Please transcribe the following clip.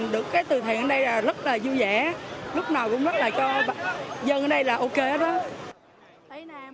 được cái từ thiện ở đây rất là vui vẻ lúc nào cũng rất là cho dân ở đây là ok đó